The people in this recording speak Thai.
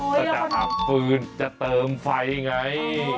แต่ถ้าทำฟืนจะเติมไฟไง